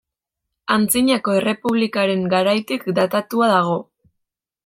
Antzinako Errepublikaren garaitik datatua dago.